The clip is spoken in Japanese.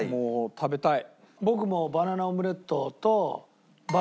食べたい。